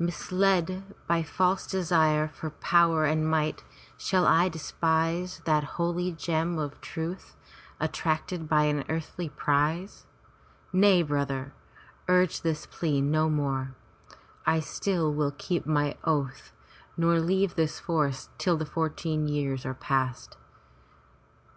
Misled by false desire for power and might, shall I despise that holy gem of truth, attracted by an earthly prize? Nay, brother! Urge this 394 FROM THE TOWER WINDOW plea no more. I still will keep my oath nor leave this forest till the fourteen years are past.